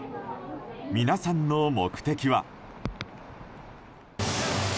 皆さんの目的は。